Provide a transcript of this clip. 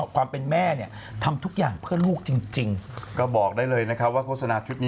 ความเป็นแม่ทำทุกอย่างเพื่อลูกจริง